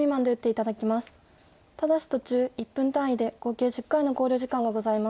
ただし途中１分単位で合計１０回の考慮時間がございます。